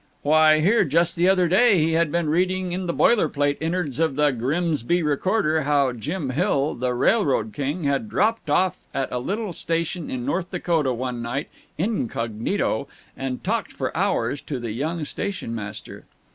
Why here just the other day he had been reading in the boiler plate innards of the Grimsby Recorder how Jim Hill, the railroad king, had dropped off at a little station in North Dakota one night, incog., and talked for hours to the young station master.